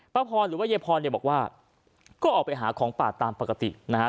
ป่าพรหรือว่าไยพรบอกว่าก็ออกไปหาของป่าตามปกตินะครับ